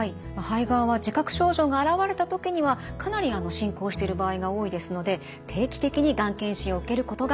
肺がんは自覚症状が現れた時にはかなり進行してる場合が多いですので定期的にがん検診を受けることが大切です。